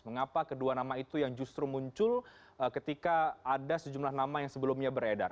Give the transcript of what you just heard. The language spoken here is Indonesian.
mengapa kedua nama itu yang justru muncul ketika ada sejumlah nama yang sebelumnya beredar